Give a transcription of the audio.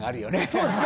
そうですね